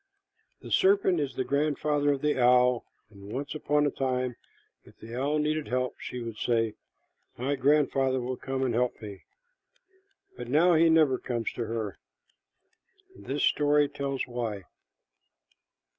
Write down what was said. The serpent is the grandfather of the owl, and once upon a time if the owl needed help, she would say, "My grandfather will come and help me," but now he never comes to her. This story tells why.